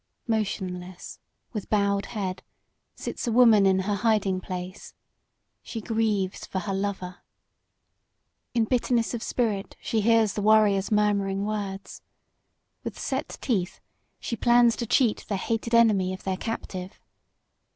Motionless, with bowed head, sits a woman in her hiding place. She grieves for her lover. In bitterness of spirit she hears the warriors' murmuring words. With set teeth she plans to cheat the hated enemy of their captive.